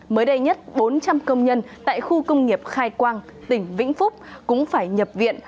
mới đây nhất bốn trăm linh công nhân tại khu công nghiệp khai quang tỉnh vĩnh phúc cũng phải nhập viện